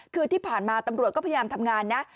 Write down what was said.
คือที่ผ่านมาตำรวจก็พยายามทำงานนะ